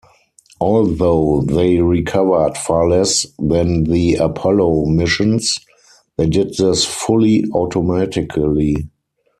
Although they recovered far less than the Apollo missions, they did this fully automatically.